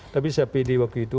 tapi saya pede waktu itu